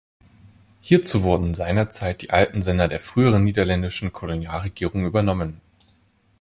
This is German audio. Hierzu wurden seinerzeit die alten Sender der früheren niederländischen Kolonialregierung übernommen.